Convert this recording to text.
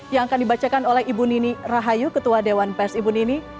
yang akan dibacakan oleh ibu nini rahayu ketua dewan pers ibu nini